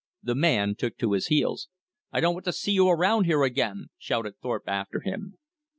The man took to his heels. "I don't want to see you around here again!" shouted Thorpe after him.